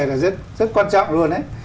là rất quan trọng luôn ấy